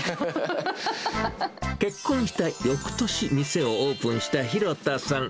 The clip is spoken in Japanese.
結婚したよくとし、店をオープンした廣田さん。